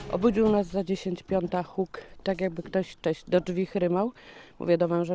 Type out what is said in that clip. kami berdikata dengan mengambil u moins arab